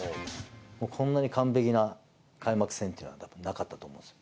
こんなに完璧な開幕戦っていうのはなかったと思います。